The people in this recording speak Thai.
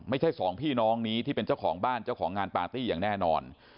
สองพี่น้องนี้ที่เป็นเจ้าของบ้านเจ้าของงานปาร์ตี้อย่างแน่นอน